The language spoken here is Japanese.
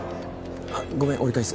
あっごめん折り返す。